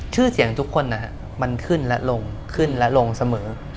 ชื่อเสียงทุกคนนะฮะมันขึ้นและลงขึ้นและลงเสมอ